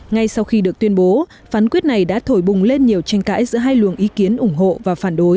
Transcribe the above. ngay sau khi được tuyên bố phán quyết này đã thổi bùng lên nhiều tranh cãi giữa hai luồng ý kiến ủng hộ và phản đối